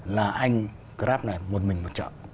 là anh grab này một mình một chợ